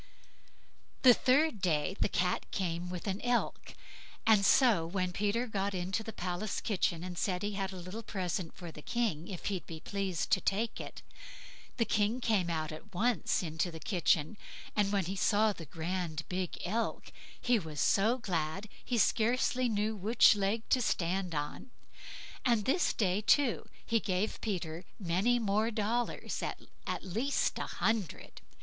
The third day the Cat came with an elk. And so when Peter got into the palace kitchen, and said he had a little present for the King, if he'd be pleased to take it, the King came out at once into the kitchen; and when he saw the grand big elk, he was so glad he scarce knew which leg to stand on; and this day, too, he gave Peter many many more dollars—at least a hundred.